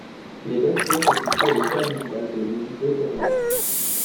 Les bâtiments sont situés à l'écart du village au lieu-dit d'Espernai.